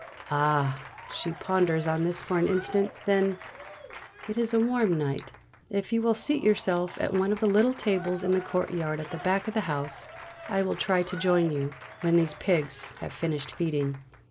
"Ah!" she ponders on this for an instant; then: "It is a warm night; if you will seat yourself at one of the little tables in the courtyard at the back of the house, I will try to join you, when these pigs have finished feeding."